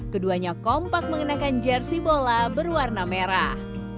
keduanya kompak mengenakan jersi bola berwarna merah